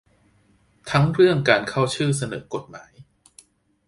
ทั้งเรื่องการเข้าชื่อเสนอกฎหมาย